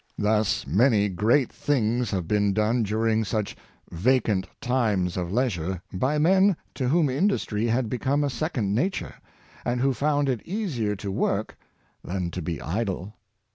Thus many great things have been done during such " vacant times of leisure," by men to whom industry had become a second nature, and who found it easier to work than to be idle.